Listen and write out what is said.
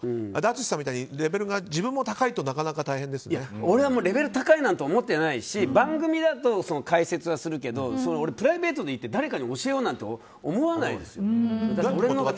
淳さんみたいにレベルが自分も高いと俺はレベル高いなんて思ってないし番組だと解説するけどプライベートで行って誰かに教えようなんて思わないですよ。